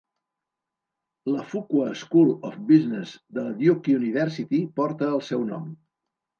La Fuqua School of Business de la Duke University porta el seu nom.